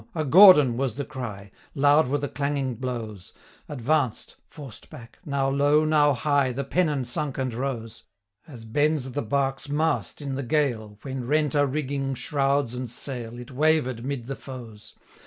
a Gordon! was the cry: Loud were the clanging blows; Advanced, forced back, now low, now high, The pennon sunk and rose; 815 As bends the bark's mast in the gale, When rent are rigging, shrouds, and sail, It waver'd 'mid the foes.